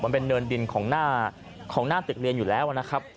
มันเป็นเนินดินของหน้าตึกเรียนอยู่แล้วนะครับ